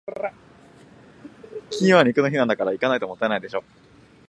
金曜は肉の日なんだから、行かないともったいないでしょ。